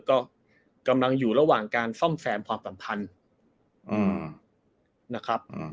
ก็กำลังอยู่ระหว่างการซ่อมแซมความสัมพันธ์นะครับ